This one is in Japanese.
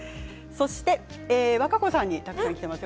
和歌子さんにたくさんきています。